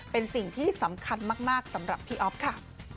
เป็นสิ่งที่สำคัญมากสำหรับพี่อ๊อฟค่ะ